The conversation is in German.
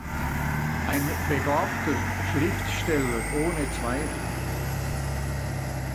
Ein begabter Schriftsteller ohne Zweifel“.